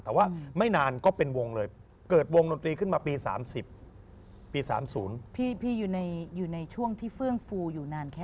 แต่ว่าไม่นานก็เป็นวงเลย